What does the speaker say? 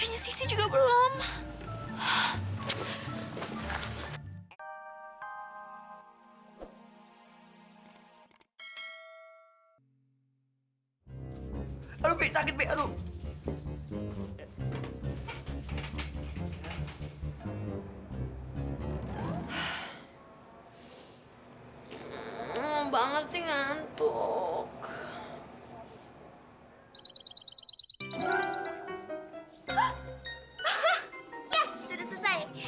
yes sudah selesai